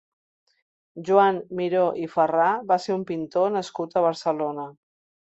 Joan Miró i Ferrà va ser un pintor nascut a Barcelona.